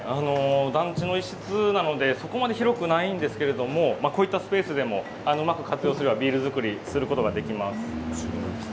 団地の一室なのでそこまで広くないんですけれどもこういったスペースでもうまく活用すればビール作りをすることができます。